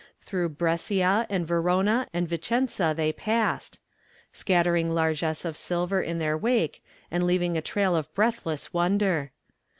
Through Brescia and Verona and Vicenza they passed, scattering largess of silver in their wake and leaving a trail of breathless wonder.